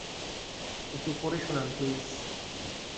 একটু পড়ে শোনান প্লিজ।